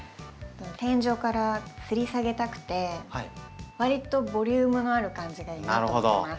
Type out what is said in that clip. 天井からつり下げたくてわりとボリュームのある感じがいいなと思います。